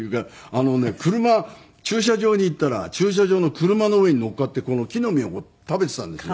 あのね車駐車場に行ったら駐車場の車の上に乗っかって木の実を食べてたんですよ。